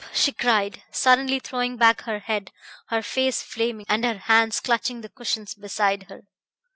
she cried, suddenly throwing back her head, her face flaming and her hands clutching the cushions beside her.